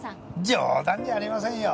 冗談じゃありませんよ！